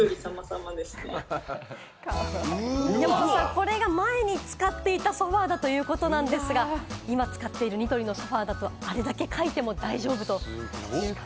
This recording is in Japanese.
これが前に使っていたソファだということなんですが、今使ってるニトリのソファだと、あれだけかいても大丈夫というこ